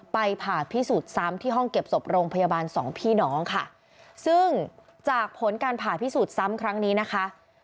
ผ่าพิสูจน์ซ้ำที่ห้องเก็บศพโรงพยาบาลสองพี่น้องค่ะซึ่งจากผลการผ่าพิสูจน์ซ้ำครั้งนี้นะคะ